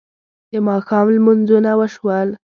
د ماښام لمونځونه وشول.